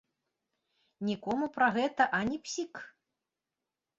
Нікому пра гэта ані псік!